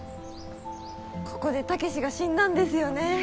ここでタケシが死んだんですよね。